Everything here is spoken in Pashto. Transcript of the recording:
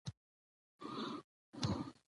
بلکې صفت هم ده.